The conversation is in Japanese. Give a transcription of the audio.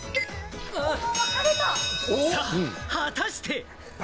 さぁ果たして？